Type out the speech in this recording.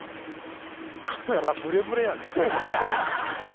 「カメラブレブレ」「」